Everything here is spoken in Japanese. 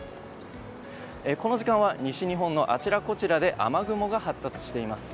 この時間は西日本のあちらこちらで雨雲が発達しています。